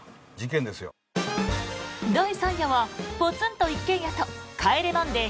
第３夜は「ポツンと一軒家」と「帰れマンデー」